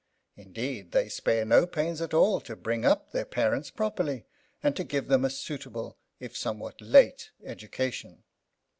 Indeed, they spare no pains at all to bring up their parents properly and to give them a suitable, if somewhat late, education.